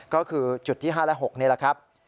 ก็คือจุดที่๕และ๖นี่แหละครับ